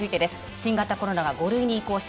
新型コロナが５類に移行して４か月。